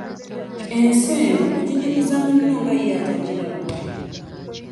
Ensi eno oginyumiza munno nga ye atagiraba.